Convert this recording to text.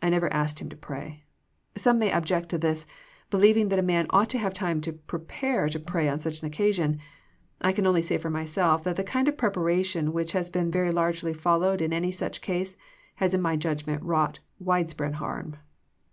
I never asked him to pra}^. Some may object to this, believing that a man ought to have time to prepare to pray on such an occasion. I can only say for myself that the kind of preparation which has been very largely followed in any such case has in my judgment wrought wide spread harm.